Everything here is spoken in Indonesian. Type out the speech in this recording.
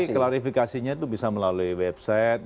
tapi klarifikasinya itu bisa melalui website